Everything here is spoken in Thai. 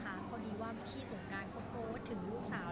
เฮ้านี่ว่าบางที่สงการเขาโพสตถึงรูปสาว